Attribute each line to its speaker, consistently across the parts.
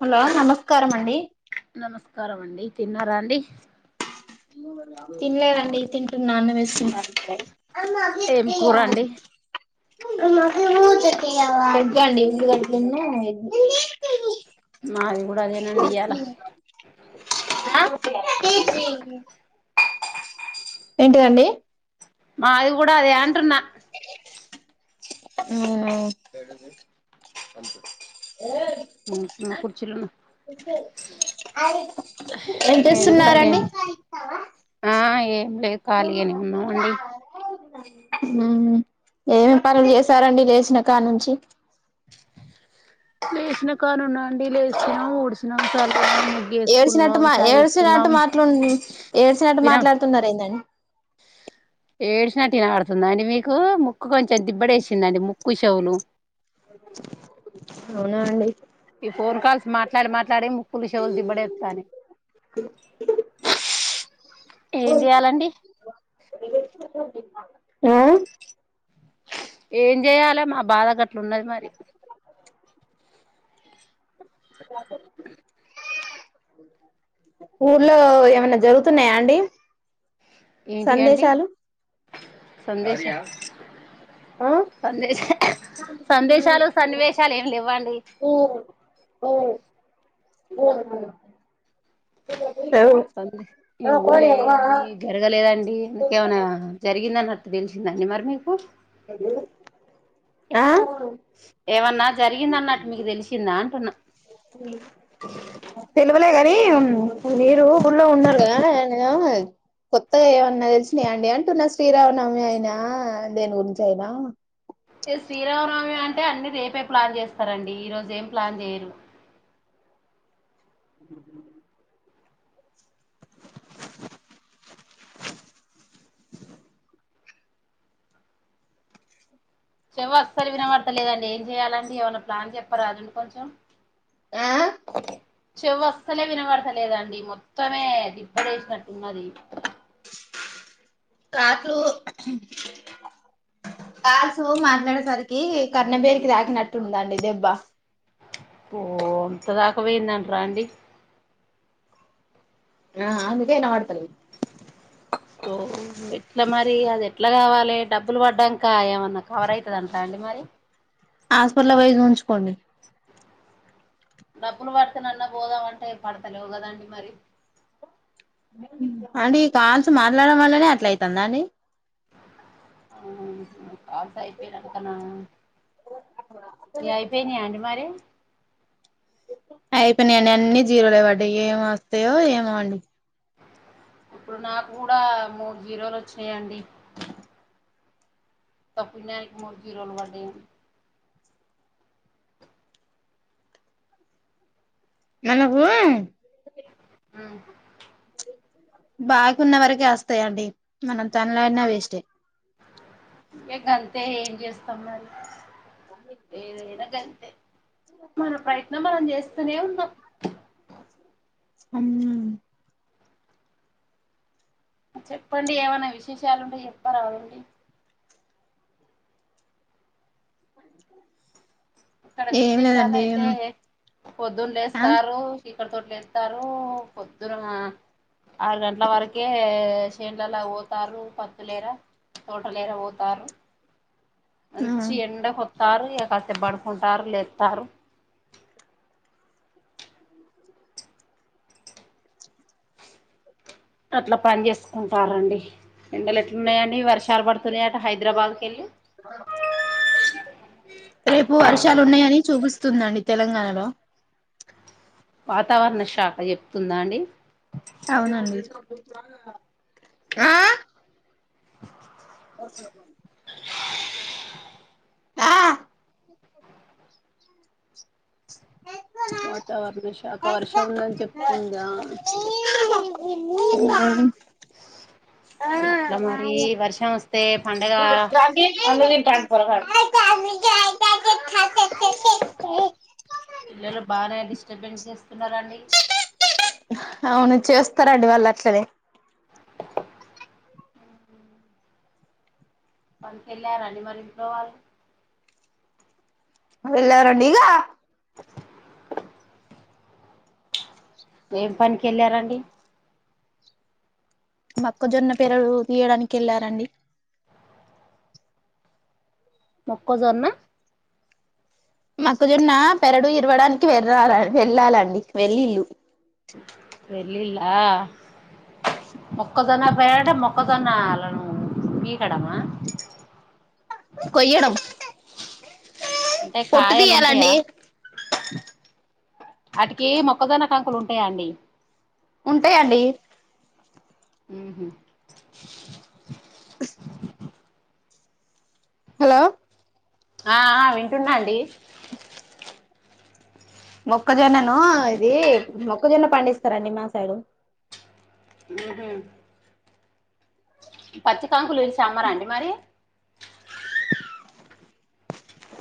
Speaker 1: Hello నమస్కారమండి
Speaker 2: నమస్కారం అండి తిన్నారా అండి
Speaker 1: తినలేదండి తింటున్నానను వేసుకుంటున్న అమ్మ
Speaker 2: ఏం
Speaker 1: గిపియ్యవా
Speaker 2: కూరండి
Speaker 1: అమ్మగి మూత ఇప్పియ్యవ ఒద్ధాండి ఇల్లు కడుగుతున్న ఓగ్
Speaker 2: మాది గూడా అదేనండి ఇయ్యాల
Speaker 1: [unintelligible] ఏంటిదండి
Speaker 2: మాది గూడ అదే అంటున్న
Speaker 1: ఉమ్
Speaker 2: [unintelligible]
Speaker 1: ఏయ్
Speaker 2: కుర్చీలున్నా
Speaker 1: ఏం
Speaker 2: మీది కూడా
Speaker 1: చేస్తున్నారండి
Speaker 2: అదేనా ఆ ఏం లేదు ఖాళీగానే ఉన్నామండి
Speaker 1: ఉమ్ ఏమేం పనులు చేసారండి లేషన్ కాడ నుంచి
Speaker 2: లేసిన కాడ్ నుండ ఆ అండి వేసినం ఉడాసినం, చ ముగ్
Speaker 1: ఏడ్చినట్టు
Speaker 2: ఏసుకున్నాం, చాయ్ ఏసుకున్నాం
Speaker 1: సినట్టు మాట్లాడుతున్నారెందండి
Speaker 2: ఏడ్షినట్టు ఇనావడుతుందాండి మీకు ముక్కు కొంచెం దిబ్బడెంసిదండి ముక్కు, చెవులు
Speaker 1: అవునా అండి
Speaker 2: ఈ ఫోన్ కాల్స్ మాట్లాడి మాట్లాడి ముక్కులు, చెవులు దిబ్బడేస్తాన్నయ్ ఏం జెయాలండి
Speaker 1: ఆ
Speaker 2: ఏం జెయాలె మా బాధ గట్ల ఉన్నది మరి
Speaker 1: ఊర్లో ఏమన్న జరుగుతున్నాయండి
Speaker 2: ఏంటి అండి సందేశం
Speaker 1: ఆ
Speaker 2: సందేశ సందేశాలు, సన్నివేశాలు ఏం లేవ్వండి
Speaker 1: ఓ ఓ
Speaker 2: ఈ ఊళ్ళే ఏమి జరగలేదండి ఇంకమైన జరిగిందన్నార్ దెలిసిందండి మరి మీకు
Speaker 1: ఆ
Speaker 2: ఏమన్నా జరిగిందన్నట్టు మీకు దెలిసిందా అంటున్నా
Speaker 1: లేని మీరు ఊళ్ళో ఉన్నారు కదా కొత్తగా ఏమన్నా తెలిసి అండి అంటున్న శ్రీరామనవమైన దేని గురించి అయినా
Speaker 2: శ్రీరామనవమి అంటే అన్ని రేపే ప్లాన్ చేస్తారండి ఈరోజు ఏం ప్లాన్ చేయరు చెవస్సలు వినవడ్తలేదండి ఏం చెయాలండి ఏమన్నా ప్లాన్ చెప్పారదండి కొంచెం
Speaker 1: ఆ
Speaker 2: చెవస్సలే వినవడతలేదండి మొత్త మే దిబ్బడేసినట్టున్నది
Speaker 1: కాట్లు కాల్సు మాట్లాడేసరికి కర్ణభేరికి తాకినట్టుందండి దెబ్బ
Speaker 2: ఓ అంతదాక పోయిందంటరా అండి
Speaker 1: ఆ అందుకె ఇనపడుతలేదు
Speaker 2: ఓ ఎట్లా మరి అది ఎట్లా కావాలె డబ్బులు పడ్డాక ఏమన్నా కవర్ అయితదంటండి మరి
Speaker 1: హాస్పిటల్ పోయి సుంచుకోండి
Speaker 2: డబ్బులు పడుతన్నాన్నా పోదామంటే పడతలేవు కదండి మరి
Speaker 1: అంటే ఇ కాల్స్ మాట్లాడడం వల్లనే అట్ల అయితందా అండి
Speaker 2: కాల్స్ అయిపోయినంకనా ఇగ అయిపోయినా అండి మరి
Speaker 1: అయిపోయినా అండి అన్ని జీరోలే వడ్డయి ఏం వస్తాయో ఏమో అండి
Speaker 2: ఇప్పుడు నాకు కూడా మూడు జీరోలు వచ్చినయండి ఉత్తపుణ్యానికి మూడు జిరోలు పడై అండీ
Speaker 1: నెలకూ
Speaker 2: అ
Speaker 1: బాకున్న వరకే వస్తాయిండి మనం తండ్లడిన వేస్ట్టె
Speaker 2: ఇగ గంతే ఏం చేస్తాం మరి ఏదైనా గంతే మన ప్రయత్నం మనం చేస్తనే ఉన్నాం
Speaker 1: అవ్నా
Speaker 2: చెప్పండి ఏమైనా విశేషాలు ఉంటే చెప్పరాదండి ఇక్కడ
Speaker 1: ఏం
Speaker 2: విశేషాలు
Speaker 1: లేదండి
Speaker 2: అయితే
Speaker 1: ఆ
Speaker 2: పొద్దులేేస్తారు చికట్తోట్ లేత్తారు పొద్దున మా ఆరు గంట్ల వరకే శేన్లలో పోతారు పత్తులేరా తోటలు ఎర పోతారు మంచి ఎండ కొత్తారు ఇగా కాసేపు పడుకుంటారు లేత్తరు అట్లా పని చేసుకుంటారండి ఎండలు ఎట్లున్నాయండి వర్షాలు పడుతున్నాయిట హైదరాబాద్కికెళ్ళి
Speaker 1: రేపు వర్షాలు ఉన్నాయని చూపిస్తుందండి తెలంగాణలో
Speaker 2: వాతావరణ శాఖ చెప్తుందా అండి
Speaker 1: అవునండి ఆ దా
Speaker 2: వాతావరణ శాఖ వర్షం ఉందని చెప్తుందా ఆ
Speaker 1: ఉమ్
Speaker 2: ఎట్ల మరి వర్షం ఒస్
Speaker 1: మన్ను దింటుండు పొల్లగాడు
Speaker 2: పిల్లల బాగానే డిస్టర్బెన్స్ చేస్తున్నరండి
Speaker 1: అవును చేస్తారండి వాళ్ళు అట్లనే
Speaker 2: పనిక్ ఎల్లారా అండి మరి ఇంట్లో వాళ్ళు
Speaker 1: వెళ్ళరండి
Speaker 2: ఏం పనికి ఎళ్ళారండి
Speaker 1: మక్కజొన్న పేరడు తీయడానికి ఎళ్ళారండి
Speaker 2: మొక్కజొన్న.
Speaker 1: మొక్కజొన్న పెరడు ఇరవడానికి వెరారు వెళ్ళాలండి వెళ్లిల్ళు.
Speaker 2: వెళ్ళిలా. మొక్కజొన్న పెరడు మొక్కజొన్న అలను మిగడన.
Speaker 1: కొయ్యడం
Speaker 2: అంటే
Speaker 1: పొట్టు
Speaker 2: కాయల్ ఉంటయా
Speaker 1: తీయాలండి
Speaker 2: ఆటికి మొక్కజొన్న కంకుల్ ఉంటయా అండి
Speaker 1: ఉంటయండి
Speaker 2: ఊహు.
Speaker 1: హలో.
Speaker 2: ఆహ్ వింటున్న అండి.
Speaker 1: మొక్కజొన్ననూ ఇది మొక్కజొన్న పండిస్తరండి మా సైడు.
Speaker 2: ఊహు. పచ్చి కంకుల్ ఈడ్చి అమ్మరా అండి మరి.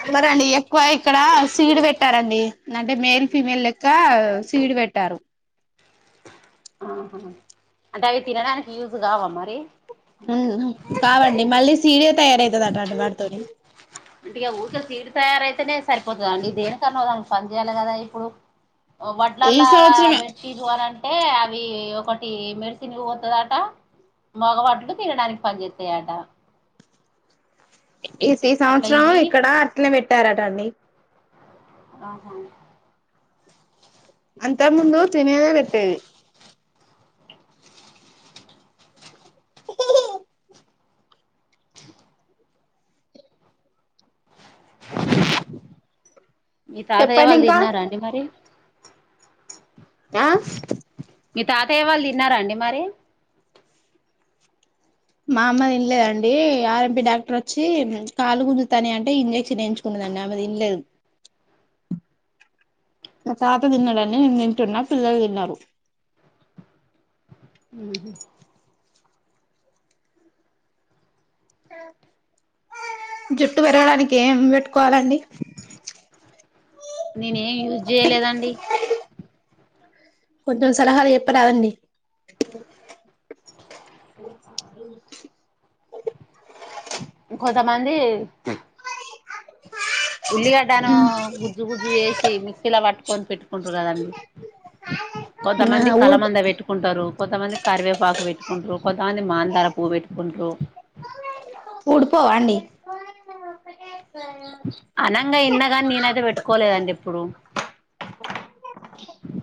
Speaker 1: అమ్మరండి ఎక్వ ఇక్కడ సీడ్ వెట్టారండి నంటె మేల్ ఫీమేల్ లెక్క సీడ్ వెట్. పెట్టారు.
Speaker 2: ఆహా అంటె అవి తినడానికి యూజ్ గావ మరి.
Speaker 1: ఊహు కావండి మళ్ళీ సీడే తయారైతదట అండి వాటితోని.
Speaker 2: అంటె ఇగ ఊకె సీడ్ తయారైతేనే సర్పోతదా అండి దేనికన్న ఒకదానికి పని చేయాలె గదా ఇప్పుడు.
Speaker 1: ఈ
Speaker 2: వడ్లల్లా
Speaker 1: సంవత్సరమే
Speaker 2: మిర్చి [unintelligible] టే అవీ ఒకటి మెడిసిన్ కి వొతదట. మగవాట్లు తినడానికి పని చేత్తయ్ అంట.
Speaker 1: ఇ సి
Speaker 2: అట్లా
Speaker 1: సంవత్సరం
Speaker 2: ఇవి
Speaker 1: ఇక్కడ అట్నే వెట్టారట అండి.
Speaker 2: ఆహా.
Speaker 1: అంత ముందు తినేవె వెట్టేది.
Speaker 2: మీ తాతయ్య
Speaker 1: చెప్పండి
Speaker 2: వాళ్ళు
Speaker 1: ఇంకా
Speaker 2: తిన్నరా అండి మరి.
Speaker 1: ఆహ్.
Speaker 2: మీ తాతయ్య వాళ్ళు తిన్నరా అండి మరి.
Speaker 1: మా అమ్మ దిన్లేదండి ఆర్ ఎం పి డాక్టర్ ఒచ్చి కాలు గుంజుతాన్నయ్ అంటే ఇంజెక్షన్ ఎయించుకున్నది. దండి ఆమె తిన్లేదు. మా తాత తిన్నడని నేను తింటున్నా పిల్లలు తిన్నరు.
Speaker 2: ఊహు.
Speaker 1: జుట్టు పెరగడానికి ఏం వెట్కోవాలండి.
Speaker 2: నేనేం యూజేయలేదండి.
Speaker 1: కొంతం సలహాలు చెప్పరాదండి.
Speaker 2: కొంతమంది. ఉల్లిగడ్డాను గుజ్జు గుజ్జు చేసి మిక్సీల వట్. కొన్పెట్టుకుంటున్నర్ అండి కొంతమంది
Speaker 1: ఆ ఊడిపో
Speaker 2: కలమంద వెట్టుకుంటారు. కొంతమంది కర్వేపాకు వెట్టుకుంటరు కొంతమంది మాందార పువ్ పెట్టుకుంట్రు.
Speaker 1: ఊడ్పోవ అండి.
Speaker 2: అనంగ ఇన్న గాని నేనైతె వెట్టుకోలేదండి ఎప్పుడు.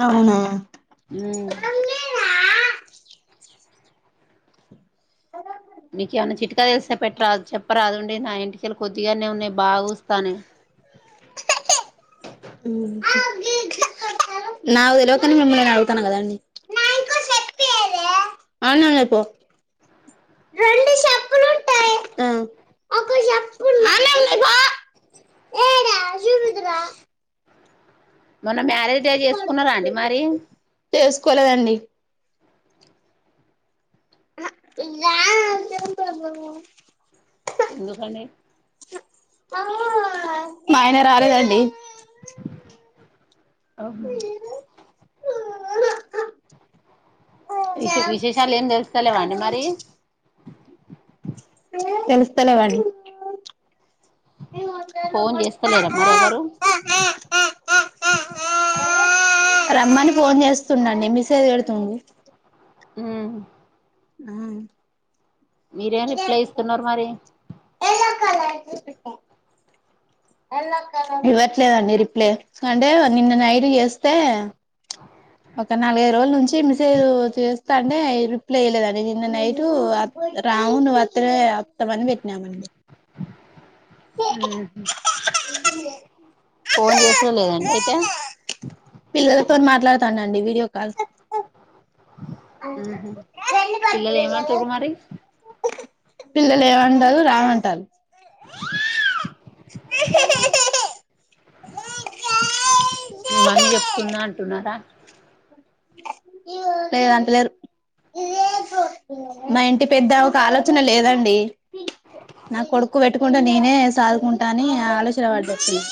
Speaker 1: అవును.
Speaker 2: ఉమ్. నీకు ఏమన్న చిట్కా తెలిసై పెట్రాదు చెప్పరాదుండి నా ఎంటికెళ్ళు కొద్దిగనే ఉన్నాయి బాగుస్. తనె
Speaker 1: నాకు తెల్వకనె మిమ్మల్ని అడ్గుతాన కదండి ప్యవా రండి షప్పుల్ ఆహ్. చూపీదురా.
Speaker 2: మొన్న మ్యారేజ్ డే చేసుకున్నారా అండి మరి.
Speaker 1: కోలేదండి. ఆహ్ దా.
Speaker 2: ఎందుకాండీ
Speaker 1: మ అయిన రాలేదండి
Speaker 2: ఓ విశే విశేషాలు ఏం తెలుస్తలేవాండి మరి
Speaker 1: తెలుస్తలేవండి
Speaker 2: ఫోన్ చేస్తలేరా మరి ఎవ్వరు
Speaker 1: రమ్మని ఫోన్ చేస్తుండండి మెసేజ్ పెడుతుండు
Speaker 2: మ్
Speaker 1: అ
Speaker 2: మీరేం రిప్లై ఇస్తున్నారు మరి
Speaker 1: ఇవ్వట్లేదండి రిప్లే అంటే నిన్న నైట్ చేస్తే ఒక నాలుగ్ఐదు రోజుల నుంచి మిసేజ్ చేస్తా అంటే రిప్లై ఈయలేదండి నిన్న నైట్ అత్ ర అవును నువ్ అత్తనే అత్త అని పెట్టినామండి
Speaker 2: మ్ హు ఫోన్ చేసుడే లేదండి అయితే
Speaker 1: తోన్ మాట్లాడుతండండి వీడియో కాల్
Speaker 2: మ్మ్ పిల్లలు ఏమంటుర్రు మరి
Speaker 1: పిల్లలేమంటారు రామంటాల్
Speaker 2: మీ మమ్మీ చెప్తుందా అంటున్నారా
Speaker 1: లేద్ అంటలేర్ మా ఇంటి పెద్ద ఒక ఆలోచన లేదండి నా కొడుక్కు పెట్టుకుంటే నేనే సాదుకుంటా అని ఆలోచన పడ్డట్టునద్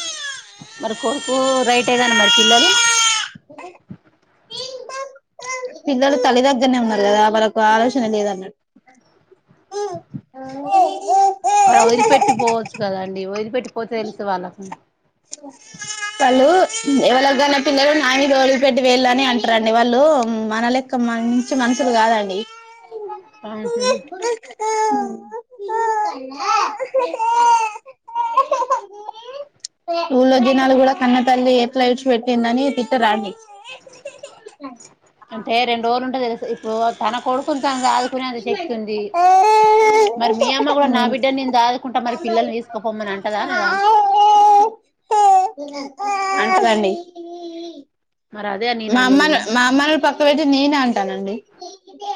Speaker 2: మరి కొడుకు రైటేగాని మరి పిల్లలు
Speaker 1: పిల్లలు తల్లి దగ్గరనే ఉన్నారు కదా వాళ్ళకు ఆలోచన లేదన్నట్
Speaker 2: అడ వదిలిపెట్టి పోవచ్చు కదండి వదిలిపెట్టిపోతే తెలిసు వాళ్ళకు
Speaker 1: వాళ్ళు ఎవలాక కన్న పిల్లలు నామీద ఒదిలిపెట్టి పోళ్ళని అంటారండి వాళ్ళు మన లెక్క మంచి మనుషులు కాదండి
Speaker 2: ఆ హు
Speaker 1: ఊళ్ళో జనాలు కూడా కన్న తల్లి ఎట్ల విడిచి పెట్టిందని తిట్టరా అండి
Speaker 2: అంటే రెండు రోజులు ఉంటె తెలుస్ ఇప్పుడు తన కొడుకు తన్ సదుకునే అంత శక్తి ఉంది మరి మీ అమ్మ కూడా నా బిడ్డ నేను సాధుకుంటా మరి పిల్లల్ని తీసుక పోమ్మనంటదా అనదా
Speaker 1: అంటదండీ
Speaker 2: మరి అదే నేను
Speaker 1: మా
Speaker 2: అనేది
Speaker 1: అమ్మాన్
Speaker 2: కూడా
Speaker 1: మా అమ్మను పక్క పెట్టి నేనే అంటానండి